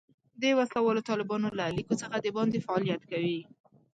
د وسله والو طالبانو له لیکو څخه د باندې فعالیت کوي.